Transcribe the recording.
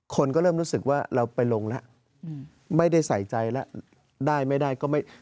คนก็เริ่มรู้สึกว่าเราไปลงแล้วไม่ได้ใส่ใจแล้วได้ไม่ได้ก็ไม่